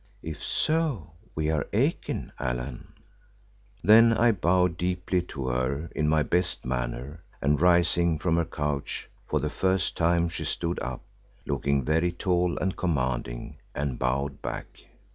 "If so, we are akin, Allan." Then I bowed deeply to her in my best manner and rising from her couch for the first time she stood up, looking very tall and commanding, and bowed back.